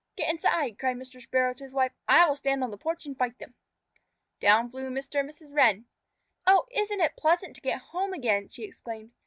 "Get inside!" cried Mr. Sparrow to his wife. "I will stand on the porch and fight them." Down flew Mr. and Mrs. Wren. "Oh, isn't it pleasant to get home again?" she exclaimed.